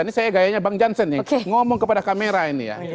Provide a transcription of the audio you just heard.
ini saya gayanya bang jansen nih ngomong kepada kamera ini ya